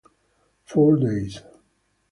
Four Days